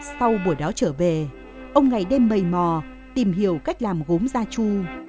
sau buổi đó trở về ông ngày đêm mầy mò tìm hiểu cách làm gốm gia chu